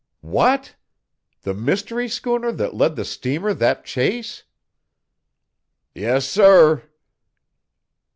"What! The mystery schooner that led the steamer that chase?" "Yes, sir."